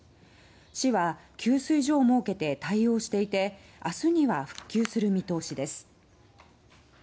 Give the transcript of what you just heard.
市は給水場を設けて対応していて明日には復旧する見通しです。